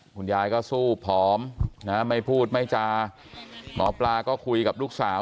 คุณยายก็สู้ผอมนะไม่พูดไม่จาหมอปลาก็คุยกับลูกสาว